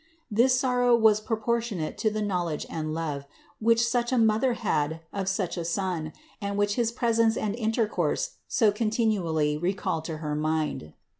This sorrow was proportionate to the knowledge and love, which such a Mother had of such a Son, and which his presence and intercourse so continually recalled to her mind.